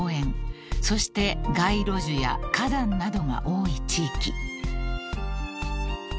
そして街路樹や花壇などが多い地域］